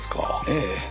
ええ。